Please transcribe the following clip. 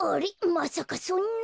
まさかそんな。